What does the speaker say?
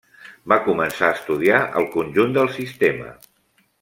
Va començar a estudiar el conjunt del sistema.